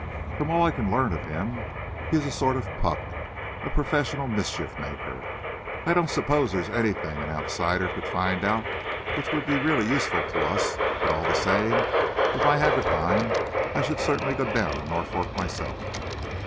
From all I can learn of him, he is a sort of Puck, a professional mischief maker. I don't suppose there's anything an outsider could find out which would be really useful to us, but all the same, if I had the time, I should certainly go down to Norfolk myself."